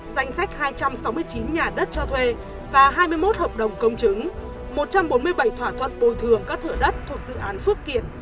danh sách hai trăm sáu mươi chín nhà đất cho thuê và hai mươi một hợp đồng công chứng một trăm bốn mươi bảy thỏa thuận bồi thường các thửa đất thuộc dự án phước kiển